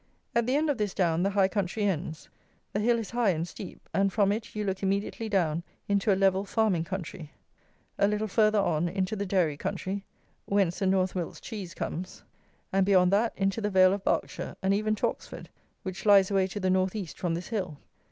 At the end of this down the high country ends. The hill is high and steep, and from it you look immediately down into a level farming country; a little further on into the dairy country, whence the North Wilts cheese comes; and, beyond that, into the vale of Berkshire, and even to Oxford, which lies away to the North east from this hill.